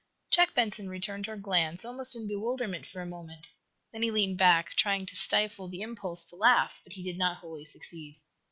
Jack Benson returned her glance, almost in, bewilderment for a moment. Then he leaned back, trying to stifle the impulse to laugh, but he did not wholly succeed.